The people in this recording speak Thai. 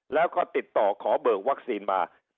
แล้วก็ติดต่อขอเบิกวัคซีนมา